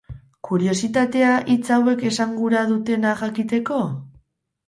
Kuriositatea hitz hauek esan gura dutena jakiteko?